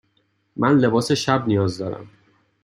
من لباس شب نیاز دارم.